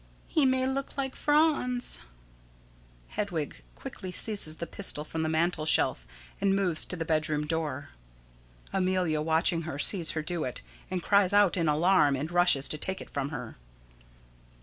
_] He may look like Franz. [Hedwig quickly seizes the pistol from the mantel shelf and moves to the bedroom door. _Amelia, watching her, sees her do it, and cries out in alarm and rushes to take it from her.